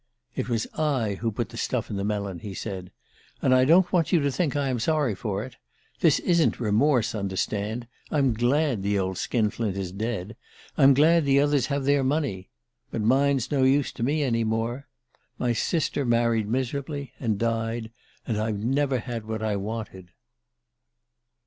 "It was I who put the stuff in the melon," he said. "And I don't want you to think I'm sorry for it. This isn't 'remorse,' understand. I'm glad the old skin flint is dead I'm glad the others have their money. But mine's no use to me any more. My sister married miserably, and died. And I've never had what I wanted."